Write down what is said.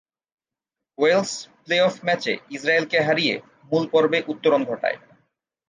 Wales playoff ম্যাচে ইসরায়েলকে হারিয়ে মূল পর্বে উত্তরণ ঘটায়।